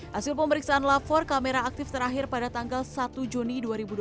hasil pemeriksaan lapor kamera aktif terakhir pada tanggal satu juni dua ribu dua puluh